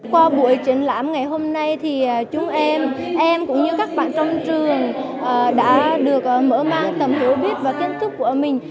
qua buổi triển lãm ngày hôm nay thì chúng em em cũng như các bạn trong trường đã được mở mang tầm hiểu biết và kiến thức của mình